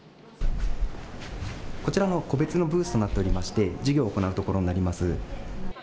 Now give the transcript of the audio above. こちら、個別のブースとなっておりまして授業を行うところになります。